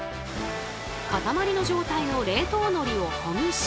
塊の状態の冷凍海苔をほぐし。